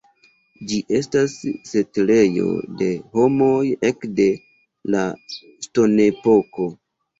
Ĝi estas setlejo de homoj ekde la Ŝtonepoko.